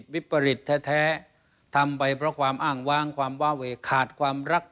วิปริตแท้ทำไปเพราะความอ้างว้างความวาเวขาดความรัก